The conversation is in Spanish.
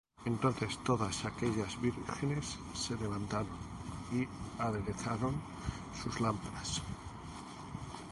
Entonces todas aquellas vírgenes se levantaron, y aderezaron sus lámparas.